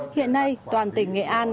hiện nay toàn tỉnh nghệ an